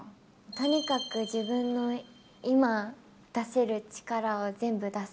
とにかく自分の今出せる力を全部出す。